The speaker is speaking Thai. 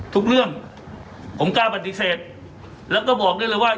ทุกเรื่องผมกล้าปฏิเสธแล้วก็บอกได้เลยว่า